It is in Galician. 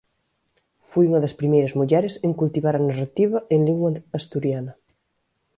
Foi unha das primeiras mulleres en cultivar a narrativa en lingua asturiana.